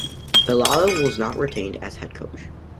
Belisle was not retained as head coach.